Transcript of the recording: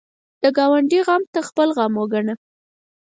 د ګاونډي غم ته خپل غم وګڼه